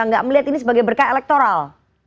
nggak melihat ini sebagai berkah elektoral